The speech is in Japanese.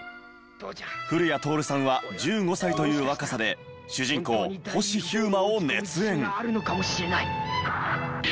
古谷徹さんは１５歳という若さで主人公星飛雄馬を熱演。